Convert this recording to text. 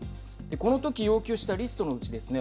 このとき要求したリストのうちですね